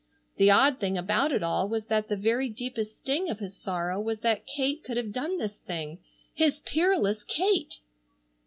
The odd thing about it all was that the very deepest sting of his sorrow was that Kate could have done this thing! His peerless Kate!